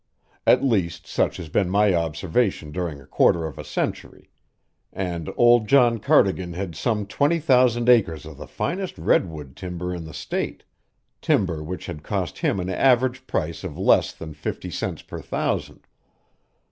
At least, such has been my observation during a quarter of a century and old John Cardigan had some twenty thousand acres of the finest redwood timber in the State timber which had cost him an average price of less than fifty cents per thousand.